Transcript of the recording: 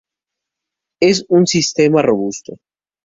Es un sistema robusto.